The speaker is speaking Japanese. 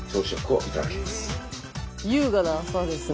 優雅な朝ですね！